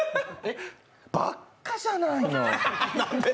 ばっかじゃないの！？